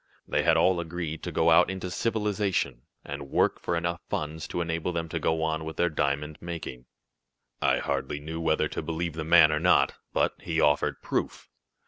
They had all agreed to go out into civilization, and work for enough funds to enable them to go on with their diamond making. "I hardly knew whether to believe the man or not, but he offered proof.